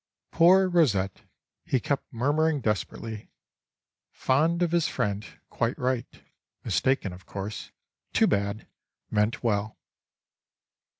Poor rosette! He kept murmuring desperately: "Fond of his friend, quite right. Mistaken of course, too bad, meant well."